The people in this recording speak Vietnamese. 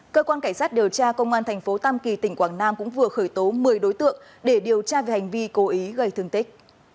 cơ quan cảnh sát điều tra công an tp tam kỳ tỉnh quảng nam cũng vừa khởi tố một mươi đối tượng để điều tra về hành vi cố ý gây thương tích